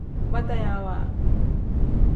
Batayaawa.